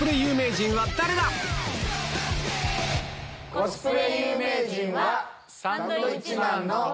コスプレ有名人は。